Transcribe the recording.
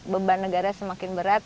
beban negara semakin berat